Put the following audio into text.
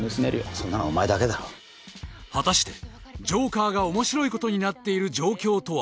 そんなのはお前だけだろ果たしてジョーカーが面白いことになっている状況とは？